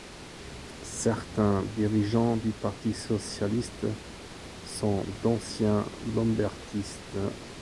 Certains dirigeants du Parti socialiste sont d'anciens lambertistes.